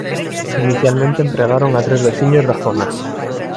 Inicialmente empregaron a tres veciños da zona.